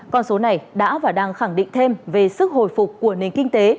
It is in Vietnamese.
con số này đã và đang khẳng định thêm về sức hồi phục của nền kinh tế